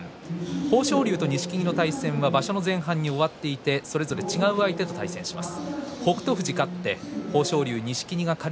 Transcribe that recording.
豊昇龍と錦木の対戦は場所の前半に終わっていてそれぞれ違う相手と対戦します。